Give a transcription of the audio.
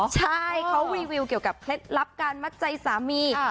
ใช่เขารีวิวเกี่ยวกับเคล็ดลับการมัดใจสามี